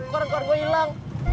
koran koran gue ilang